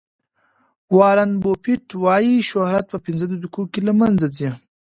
وارن بوفیټ وایي شهرت په پنځه دقیقو کې له منځه ځي.